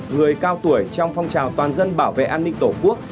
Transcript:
người cao tuổi trong phong trào toàn dân bảo vệ an ninh tổ quốc